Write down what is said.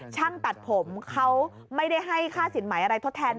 ช่างตัดผมเขาไม่ได้ให้ค่าสินใหม่อะไรทดแทน